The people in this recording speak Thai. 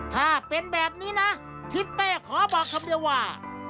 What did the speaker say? ถ้าเป็นแบบนี้นะทิศเป้ขอบอกคำเดียวว่า